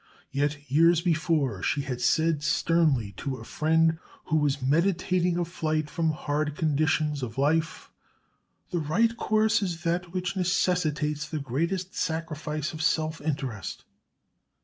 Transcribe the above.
Yet years before she had said sternly to a friend who was meditating a flight from hard conditions of life: "The right course is that which necessitates the greatest sacrifice of self interest."